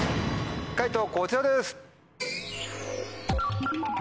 解答こちらです。